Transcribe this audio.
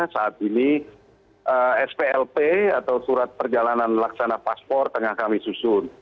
saat ini splp atau surat perjalanan laksana paspor tengah kami susun